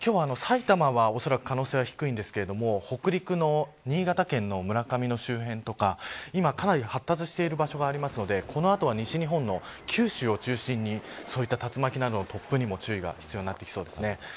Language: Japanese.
今日は埼玉は可能性が低いんですが北陸の新潟県の村上の周辺とか今、かなり発達している場所があるのでこの後、西日本の九州を中心にそういった竜巻などの突風にも注意が必要になってきそうです。